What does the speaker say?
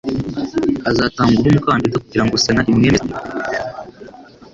azatangwaho umukandida kugira ngo Sena imwemeze